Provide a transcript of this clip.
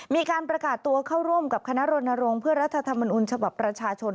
มีการประกาศตัวเข้าร่วมกับคณะรณรงค์เพื่อรัฐธรรมนุนฉบับประชาชน